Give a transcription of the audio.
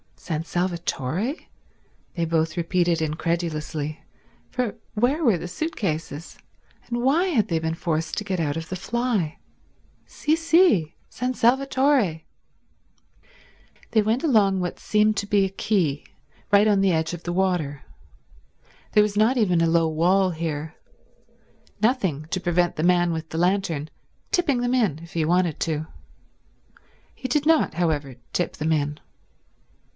"San Salvatore?" they both repeated incredulously, for where were the suit cases, and why had they been forced to get out of the fly? "Sì, sì—San Salvatore." They went along what seemed to be a quay, right on the edge of the water. There was not even a low wall here—nothing to prevent the man with the lantern tipping them in if he wanted to. He did not, however, tip them in.